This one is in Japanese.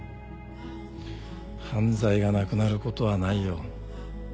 犯罪がなくなることはないよ。